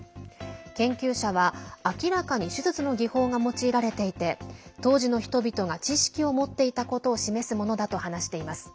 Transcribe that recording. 研究者は、明らかに手術の技法が用いられていて当時の人々が知識を持っていたことを示すものだと話しています。